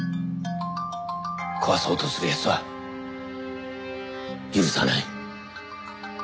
壊そうとする奴は許さない。